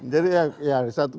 jadi ya satu